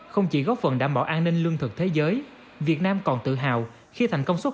không chỉ góp phần đảm bảo an ninh lương thực thế giới việt nam còn tự hào khi thành công xuất